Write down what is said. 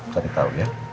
cari tau ya